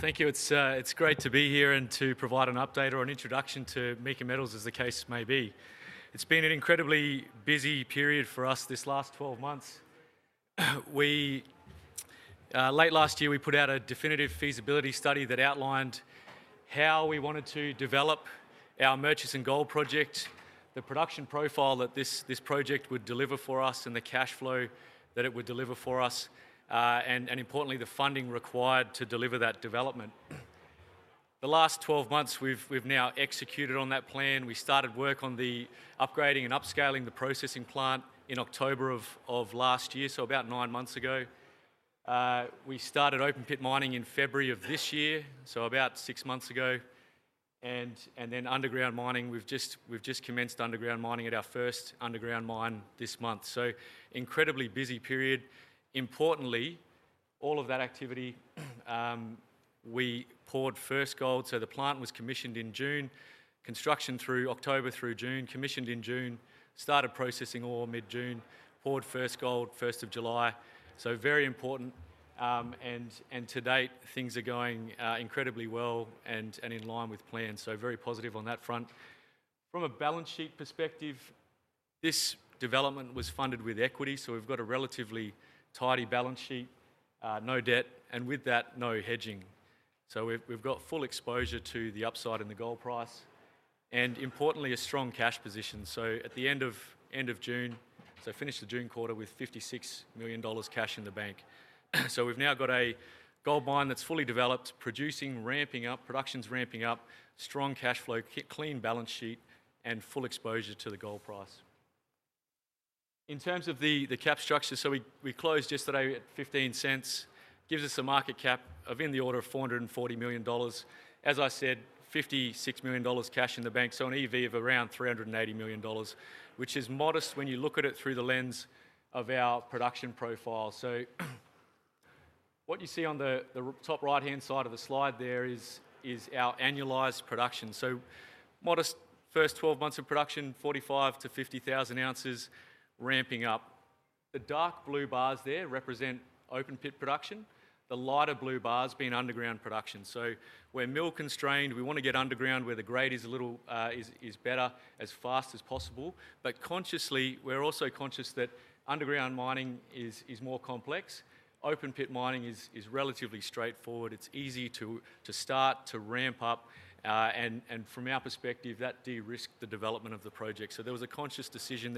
Thank you. It's great to be here and to provide an update or an introduction to Meeka Metals, as the case may be. It's been an incredibly busy period for us this last 12 months. Late last year, we put out a Definitive Feasibility Study that outlined how we wanted to develop our Murchison Gold Project, the production profile that this project would deliver for us, the cash flow that it would deliver for us, and, importantly, the funding required to deliver that development. The last 12 months, we've now executed on that plan. We started work on upgrading and upscaling the processing plant in October of last year, so about nine months ago. We started open pit mining in February of this year, so about six months ago, and then underground mining. We've just commenced underground mining at our first underground mine this month. Incredibly busy period. Importantly, all of that activity, we poured first gold. The plant was commissioned in June, construction through October through June, commissioned in June, started processing all mid-June, poured first gold 1st of July. Very important. To date, things are going incredibly well and in line with plans. Very positive on that front. From a balance sheet perspective, this development was funded with equity, so we've got a relatively tidy balance sheet, no debt, and with that, no hedging. We've got full exposure to the upside in the gold price and, importantly, a strong cash position. At the end of June, finished the June quarter with $56 million cash in the bank. We've now got a gold mine that's fully developed, producing, ramping up, production's ramping up, strong cash flow, clean balance sheet, and full exposure to the gold price. In terms of the cap structure, we closed yesterday at $0.15, gives us a market cap of in the order of $440 million. As I said, $56 million cash in the bank, so an enterprise value of around $380 million, which is modest when you look at it through the lens of our production profile. What you see on the top right-hand side of the slide there is our annualized production. Modest first 12 months of production, 45,000 ounces-50,000 ounces, ramping up. The dark blue bars there represent open pit production. The lighter blue bars being underground production. We're mill constrained. We want to get underground where the grade is a little better as fast as possible. Consciously, we're also conscious that underground mining is more complex. Open pit mining is relatively straightforward. It's easy to start, to ramp up, and from our perspective, that de-risked the development of the project. There was a conscious decision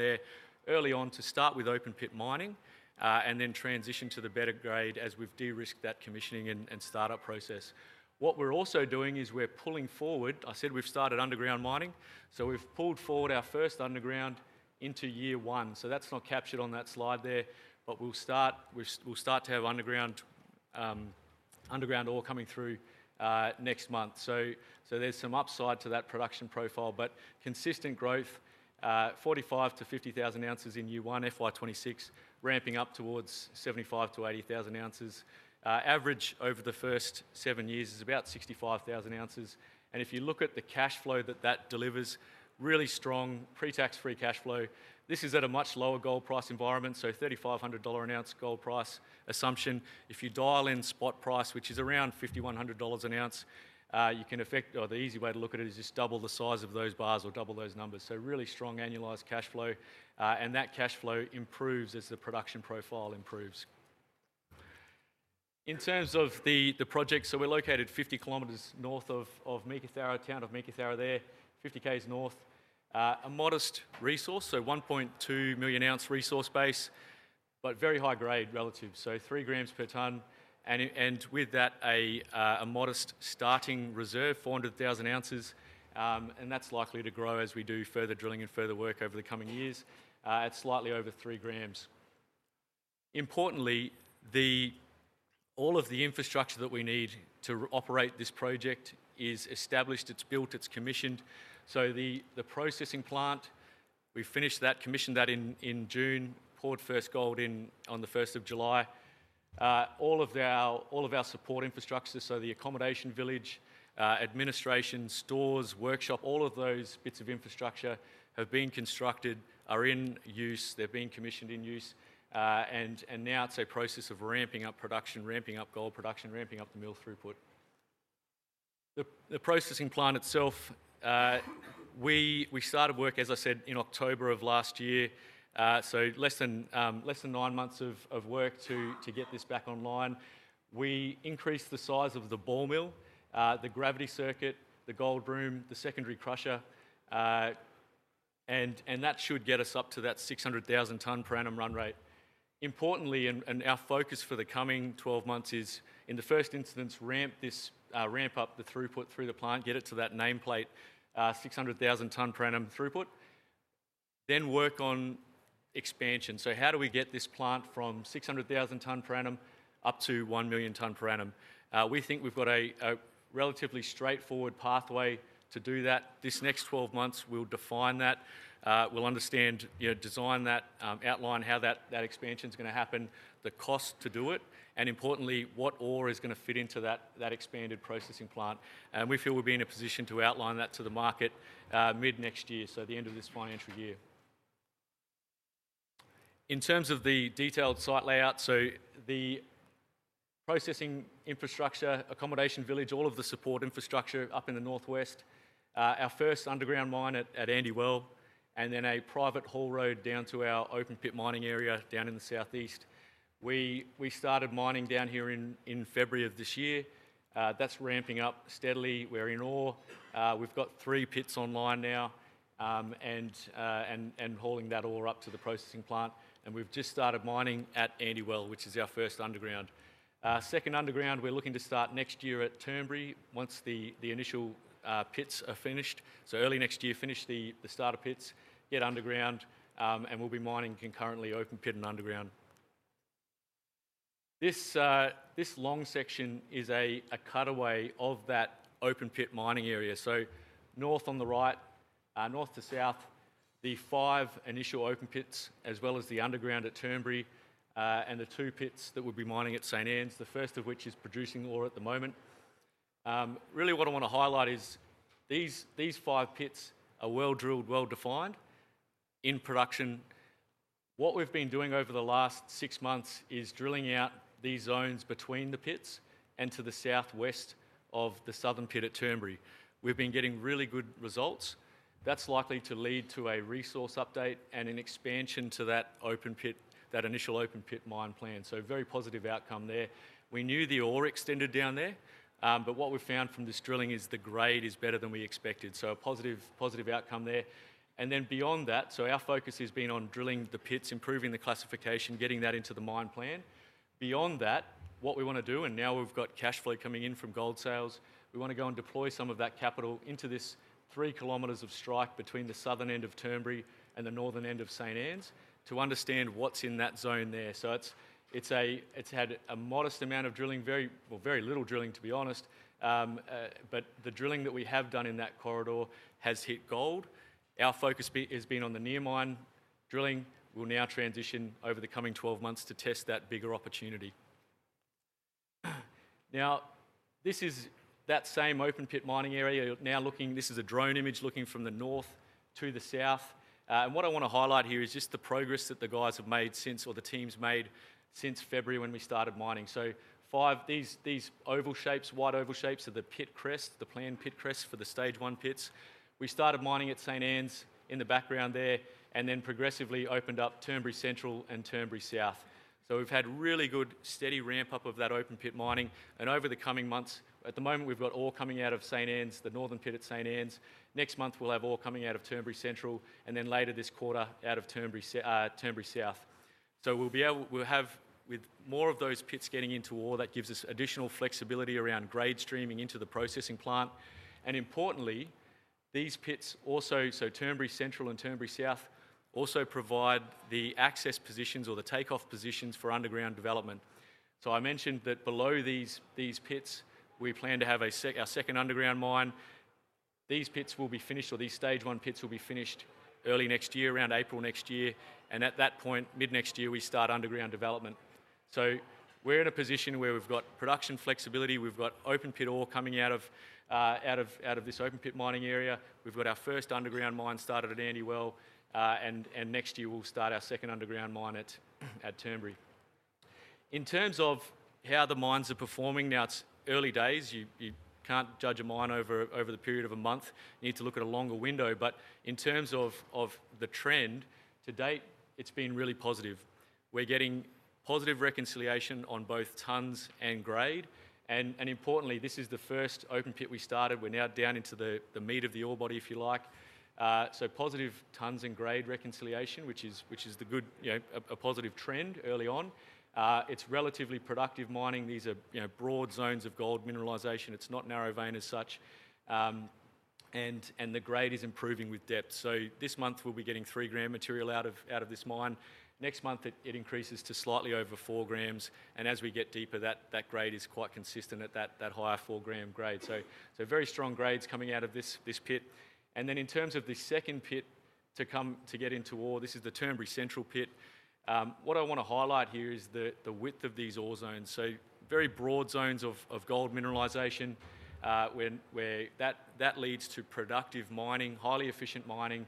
early on to start with open pit mining and then transition to the better grade as we've de-risked that commissioning and startup process. What we're also doing is we're pulling forward. I said we've started underground mining. We've pulled forward our first underground into year one. That's not captured on that slide there, but we'll start to have underground ore coming through next month. There's some upside to that production profile, with consistent growth, 45,000 ounces-50,000 ounces in year one, FY2026, ramping up towards 75,000 ounces-80,000 ounces. Average over the first seven years is about 65,000 ounces. If you look at the cash flow that that delivers, really strong pre-tax free cash flow, this is at a much lower gold price environment. $3,500 an ounce gold price assumption. If you dial in spot price, which is around $5,100 an ounce, you can affect, or the easy way to look at it is just double the size of those bars or double those numbers. Really strong annualized cash flow, and that cash flow improves as the production profile improves. In terms of the project, we're located 50 kilometers north of Meekatharra, town of Meekatharra there, 50 km north, a modest resource, 1.2 million ounce resource base, but very high grade relative. 3 g per ton. With that, a modest starting reserve, 400,000 ounces, and that's likely to grow as we do further drilling and further work over the coming years. It's slightly over 3 g. Importantly, all of the infrastructure that we need to operate this project is established. It's built, it's commissioned. The processing plant, we finished that, commissioned that in June, poured first gold in on the 1st of July. All of our support infrastructure, the accommodation village, administration, stores, workshop, all of those bits of infrastructure have been constructed, are in use, they're being commissioned in use, and now it's a process of ramping up production, ramping up gold production, ramping up the mill throughput. The processing plant itself, we started work, as I said, in October of last year. Less than nine months of work to get this back online. We increased the size of the ball mill, the gravity circuit, the gold room, the secondary crusher, and that should get us up to that 600,000 tons per annum run rate. Importantly, our focus for the coming 12 months is, in the first instance, ramp up the throughput through the plant, get it to that nameplate 600,000 tons per annum throughput, then work on expansion. How do we get this plant from 600,000 tons per annum up to 1 million tons per annum? We think we've got a relatively straightforward pathway to do that. This next 12 months, we'll define that. We'll understand, design that, outline how that expansion's going to happen, the cost to do it, and importantly, what ore is going to fit into that expanded processing plant. We feel we'll be in a position to outline that to the market mid-next year, so the end of this financial year. In terms of the detailed site layout, the processing infrastructure, accommodation village, all of the support infrastructure up in the northwest, our first underground mine at Andy Well, and then a private haul road down to our open pit mining area down in the southeast. We started mining down here in February of this year. That's ramping up steadily. We're in ore. We've got three pits online now and hauling that ore up to the processing plant. We've just started mining at Andy Well, which is our first underground. Second underground, we're looking to start next year at Turnbury once the initial pits are finished. Early next year, finish the starter pits, get underground, and we'll be mining concurrently open pit and underground. This long section is a cutaway of that open pit mining area. North on the right, north to south, the five initial open pits, as well as the underground at Turnbury, and the two pits that we'll be mining at St. Ann’s, the first of which is producing ore at the moment. What I want to highlight is these five pits are well drilled, well defined in production. What we've been doing over the last six months is drilling out these zones between the pits and to the southwest of the southern pit at Turnbury. We've been getting really good results. That's likely to lead to a resource update and an expansion to that open pit, that initial open pit mine plan. Very positive outcome there. We knew the ore extended down there, but what we found from this drilling is the grade is better than we expected. A positive outcome there. Our focus has been on drilling the pits, improving the classification, getting that into the mine plan. Beyond that, what we want to do, and now we've got cash flow coming in from gold sales, we want to go and deploy some of that capital into this three kilometers of strike between the southern end of Turnbury and the northern end of St. Ann’s to understand what's in that zone there. It's had a modest amount of drilling, very little drilling, to be honest. The drilling that we have done in that corridor has hit gold. Our focus has been on the near mine drilling. We'll now transition over the coming 12 months to test that bigger opportunity. This is that same open pit mining area. This is a drone image looking from the north to the south. What I want to highlight here is just the progress that the teams have made since February when we started mining. These oval shapes, wide oval shapes, are the pit crests, the planned pit crests for the stage one pits. We started mining at St. Ann’s in the background there, and then progressively opened up Turnbury Central and Turnbury South. We've had really good steady ramp-up of that open pit mining. Over the coming months, at the moment, we've got ore coming out of St. Ann’s, the northern pit at St. Ann’s. Next month, we'll have ore coming out of Turnbury Central, and then later this quarter out of Turnbury South. We'll have, with more of those pits getting into ore, that gives us additional flexibility around grade streaming into the processing plant. Importantly, these pits also, Turnbury Central and Turnbury South, provide the access positions or the takeoff positions for underground development. I mentioned that below these pits, we plan to have our second underground mine. These pits will be finished, or these stage one pits will be finished early next year, around April next year. At that point, mid-next year, we start underground development. We're in a position where we've got production flexibility. We've got open pit ore coming out of this open pit mining area. We've got our first underground mine started at Andy Well. Next year, we'll start our second underground mine at Turnbury. In terms of how the mines are performing, it's early days. You can't judge a mine over the period of a month. You need to look at a longer window. In terms of the trend, to date, it's been really positive. We're getting positive reconciliation on both tons and grade. Importantly, this is the first open pit we started. We're now down into the meat of the ore body, if you like. Positive tons and grade reconciliation, which is a positive trend early on. It's relatively productive mining. These are broad zones of gold mineralization. It's not narrow vein as such, and the grade is improving with depth. This month, we'll be getting three gram material out of this mine. Next month, it increases to slightly over 4 g, and as we get deeper, that grade is quite consistent at that higher 4 g grade. Very strong grades coming out of this pit. In terms of the second pit to come to get into ore, this is the Turnbury Central pit. What I want to highlight here is the width of these ore zones. Very broad zones of gold mineralization, where that leads to productive mining, highly efficient mining.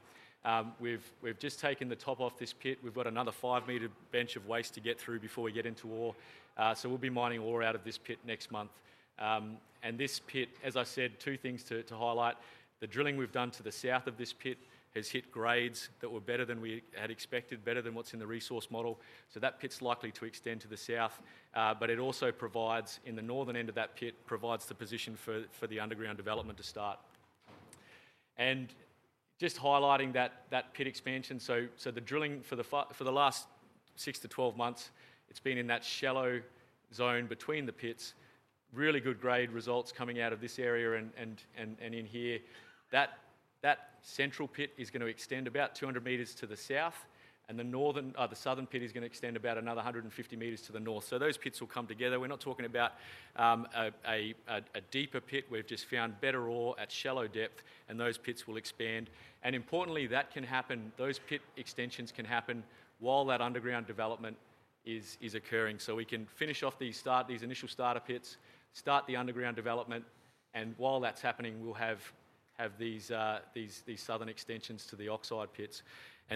We've just taken the top off this pit. We've got another 5 m bench of waste to get through before we get into ore. We'll be mining ore out of this pit next month. This pit, as I said, two things to highlight. The drilling we've done to the south of this pit has hit grades that were better than we had expected, better than what's in the resource model. That pit's likely to extend to the south, but it also provides, in the northern end of that pit, the position for the underground development to start. Highlighting that pit expansion, the drilling for the last 6 months-12 months has been in that shallow zone between the pits. Really good grade results coming out of this area. In here, that central pit is going to extend about 200 m to the south, and the southern pit is going to extend about another 150 m to the north. Those pits will come together. We're not talking about a deeper pit. We've just found better ore at shallow depth, and those pits will expand. Importantly, that can happen. Those pit extensions can happen while that underground development is occurring. We can finish off these initial starter pits, start the underground development, and while that's happening, we'll have these southern extensions to the oxide pits.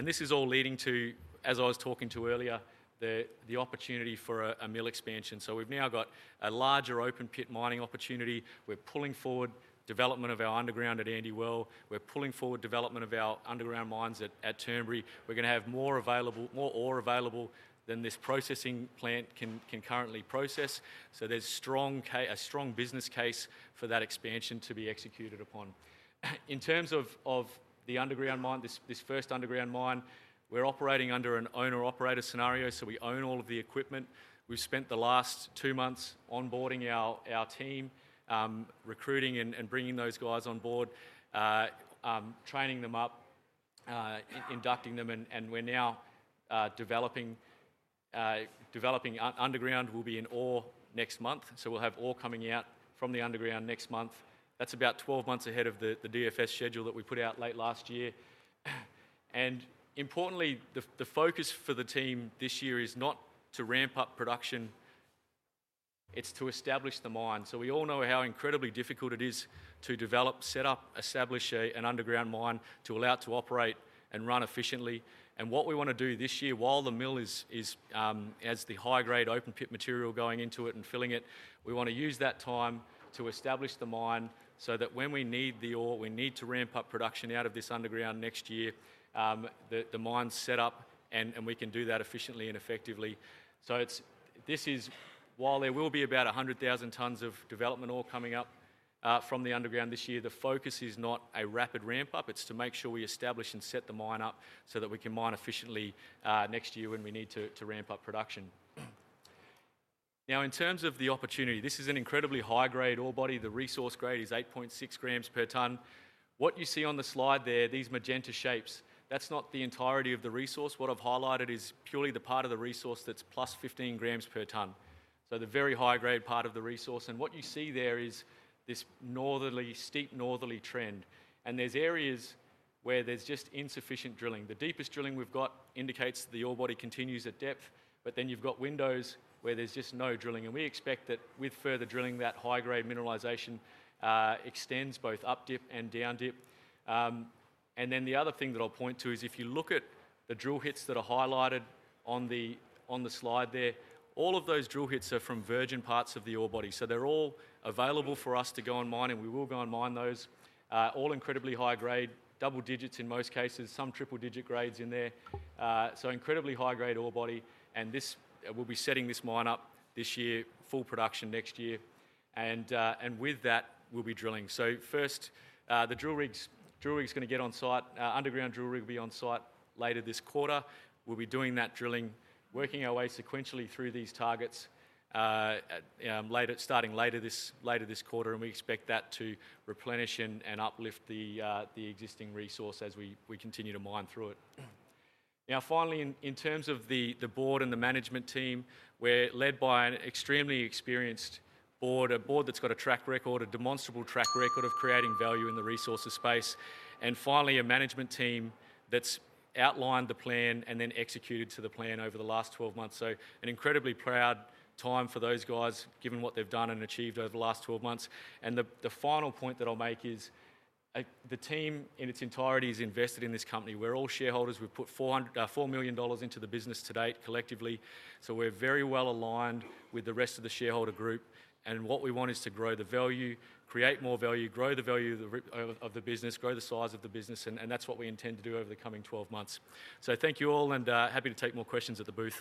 This is all leading to, as I was talking to earlier, the opportunity for a mill expansion. We've now got a larger open pit mining opportunity. We're pulling forward development of our underground at Andy Well. We're pulling forward development of our underground mines at Turnbury. We're going to have more ore available than this processing plant can currently process. There is a strong business case for that expansion to be executed upon. In terms of the underground mine, this first underground mine, we're operating under an owner-operator scenario. We own all of the equipment. We've spent the last two months onboarding our team, recruiting and bringing those guys on board, training them up, inducting them, and we're now developing underground. We'll be in ore next month. We'll have ore coming out from the underground next month. That's about 12 months ahead of the Definitive Feasibility study (DFS) schedule that we put out late last year. Importantly, the focus for the team this year is not to ramp up production. It's to establish the mine. We all know how incredibly difficult it is to develop, set up, establish an underground mine to allow it to operate and run efficiently. What we want to do this year, while the mill has the high-grade open pit material going into it and filling it, is use that time to establish the mine so that when we need the ore, we need to ramp up production out of this underground next year, the mine's set up, and we can do that efficiently and effectively. While there will be about 100,000 tons of development ore coming up from the underground this year, the focus is not a rapid ramp-up. It's to make sure we establish and set the mine up so that we can mine efficiently next year when we need to ramp up production. Now, in terms of the opportunity, this is an incredibly high-grade ore body. The resource grade is 8.6 g per ton. What you see on the slide there, these magenta shapes, that's not the entirety of the resource. What I've highlighted is purely the part of the resource that's plus 15 g per ton, so the very high-grade part of the resource. What you see there is this steep northerly trend. There are areas where there's just insufficient drilling. The deepest drilling we've got indicates that the ore body continues at depth, but then you've got windows where there's just no drilling. We expect that with further drilling, that high-grade mineralization extends both up dip and down dip. The other thing that I'll point to is if you look at the drill hits that are highlighted on the slide there, all of those drill hits are from virgin parts of the ore body. They're all available for us to go and mine, and we will go and mine those. All incredibly high grade, double digits in most cases, some triple digit grades in there. Incredibly high-grade ore body. We'll be setting this mine up this year, full production next year. With that, we'll be drilling. First, the drill rig's going to get on site. Underground drill rig will be on site later this quarter. We'll be doing that drilling, working our way sequentially through these targets starting later this quarter. We expect that to replenish and uplift the existing resource as we continue to mine through it. Finally, in terms of the board and the management team, we're led by an extremely experienced board, a board that's got a track record, a demonstrable track record of creating value in the resources space. A management team that's outlined the plan and then executed to the plan over the last 12 months. An incredibly proud time for those guys, given what they've done and achieved over the last 12 months. The final point that I'll make is the team in its entirety is invested in this company. We're all shareholders. We've put $4 million into the business to date collectively. We're very well aligned with the rest of the shareholder group. What we want is to grow the value, create more value, grow the value of the business, grow the size of the business. That's what we intend to do over the coming 12 months. Thank you all and happy to take more questions at the booth.